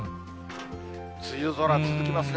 梅雨空続きますね。